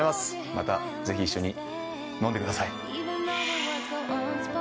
またぜひ一緒に飲んでください。